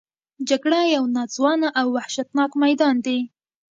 جګړه یو ناځوانه او وحشتناک میدان دی